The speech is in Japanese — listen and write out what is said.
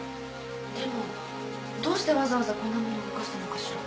でもどうしてわざわざこんなものを動かしたのかしら。